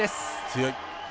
強い。